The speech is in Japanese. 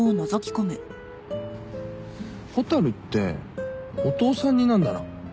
蛍ってお父さん似なんだな。